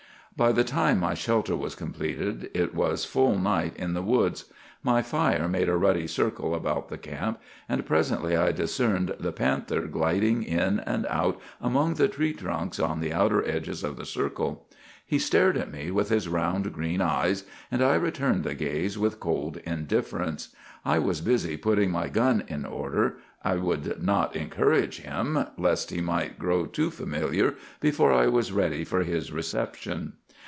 "By the time my shelter was completed, it was full night in the woods. My fire made a ruddy circle about the camp, and presently I discerned the panther gliding in and out among the tree trunks on the outer edges of the circle. He stared at me with his round green eyes, and I returned the gaze with cold indifference. I was busy putting my gun in order. I would not encourage him, lest he might grow too familiar before I was ready for his reception.